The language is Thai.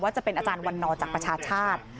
จะเป็นอาจารย์วันนอจากประชาชาติ